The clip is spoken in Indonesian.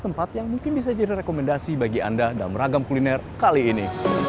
tempat yang mungkin bisa jadi rekomendasi bagi anda dalam ragam kuliner kali ini